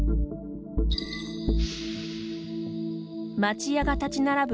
町屋が立ち並ぶ